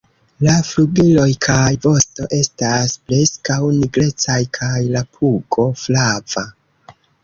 La flugiloj kaj vosto estas preskaŭ nigrecaj kaj la pugo flava.